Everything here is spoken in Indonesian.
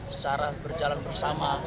secara berjalan bersama